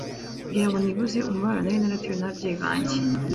kugirango nibuze umubabaro nari naratewe n’ababyeyi banjye,